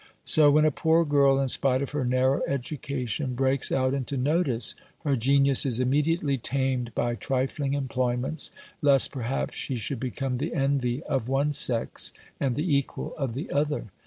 So, when a poor girl, in spite of her narrow education, breaks out into notice, her genius is immediately tamed by trifling employments, lest, perhaps, she should become the envy of one sex, and the equal of the other.